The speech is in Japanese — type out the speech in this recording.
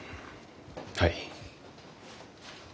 はい。